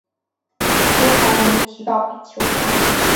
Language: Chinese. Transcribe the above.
郭台铭提告求偿。